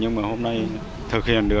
nhưng mà hôm nay thực hiện vấn đề biển đảo